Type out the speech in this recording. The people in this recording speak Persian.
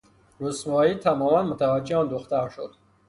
رسوایی تماما متوجه آن دختر شد.